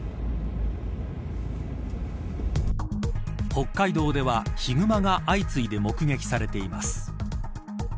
北海道では、ヒグマが相次いで目撃されています。